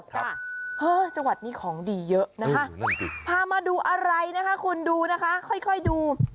จังหวัดนี้ของดีเยอะนะคะนั่นสิพามาดูอะไรนะคะคุณดูนะคะค่อยดู